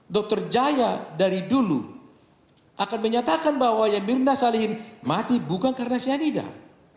doktor jaya dari dulu akan menyatakan bahwa yang mirna salihin mati bukan karena syanidah